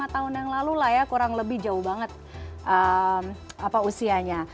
lima tahun yang lalu lah ya kurang lebih jauh banget usianya